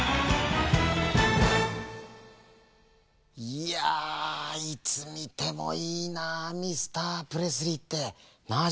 いやいつみてもいいなあミスタープレスリーって。なあ？